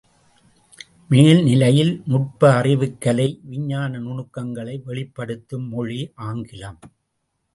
மேல் நிலையில் நுட்ப அறிவுக் கலை விஞ்ஞான நுணுக்கங்களை வெளிப்படுத்தும் மொழி ஆங்கிலம்.